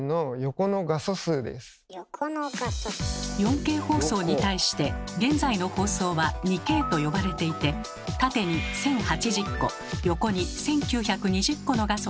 ４Ｋ放送に対して現在の放送は「２Ｋ」と呼ばれていて縦に１，０８０個横に１，９２０個の画素が並んでいます。